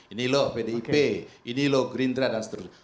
ini loh pdip ini loh green dran dan seterusnya